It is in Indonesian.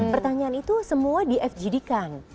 pertanyaan itu semua di fgd kan